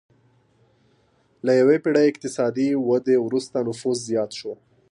له یوې پېړۍ اقتصادي ودې وروسته نفوس زیات شو.